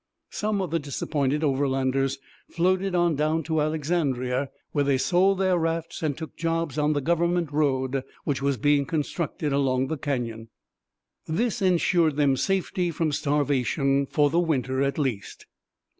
Some of the disappointed Overlanders floated on down to Alexandria, where they sold their rafts and took jobs on the government road which was being constructed along the canyon. This ensured them safety from starvation for the winter at least.